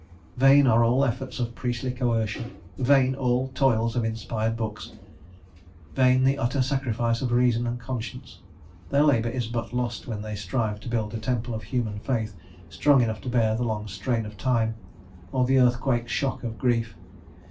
Vain are all efforts of priestly coercion; vain all toils of inspired books; vain the utter sacrifice of reason and conscience; their labour is but lost when they strive to build a temple of human faith, strong enough to bear the long strain of time, or the earthquake shock of grief.